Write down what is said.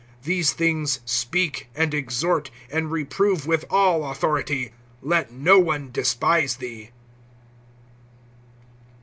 (15)These things speak, and exhort, and reprove with all authority. Let no one despise thee.